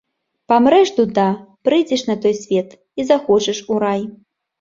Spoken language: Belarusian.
Памрэш, дуда, прыйдзеш на той свет і захочаш у рай.